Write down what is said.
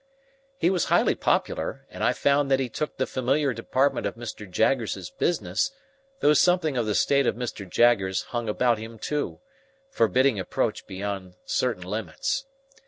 He was highly popular, and I found that he took the familiar department of Mr. Jaggers's business; though something of the state of Mr. Jaggers hung about him too, forbidding approach beyond certain limits.